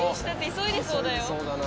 急いでそうだな。